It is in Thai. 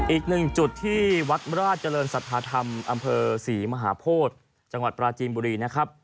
อีกหนึ่งจุดที่วัดราชเจริญสัทธาธรรมอำเภอศรีมหาโพธิจังหวัดปราจีนบุรีนะครับ